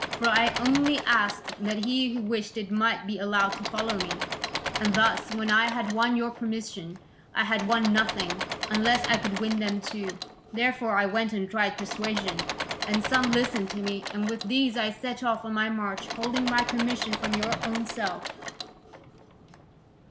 For I only asked that he who wished it might be allowed to follow me. And thus, when I had won your permission, I had won nothing, unless I could win them too. Therefore I went and tried persuasion, and some listened to me, and with these I set off on my march, holding my commission from your own self.